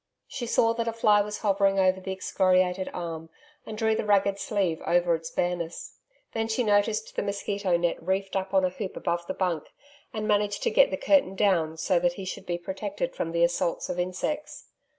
She saw that a fly was hovering over the excoriated arm and drew the ragged sleeve over its bareness. Then she noticed the mosquito net reefed up on a hoop above the bunk, and managed to get the curtain down so that he should be protected from the assaults of insects.